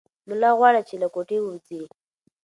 ملا غواړي چې له کوټې ووځي.